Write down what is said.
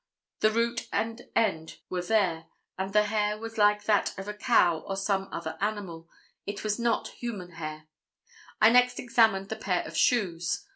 The root and end were there and the hair was like that of a cow or some other animal. It was not a human hair. I next examined the pair of shoes.